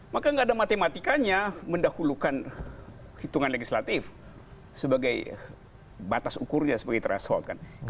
maka gak ada matematikanya mendahulukan hitungan legislatif sebagai batas ukurnya sebagai threshold